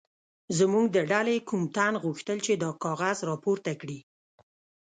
زموږ د ډلې کوم تن غوښتل چې دا کاغذ راپورته کړي.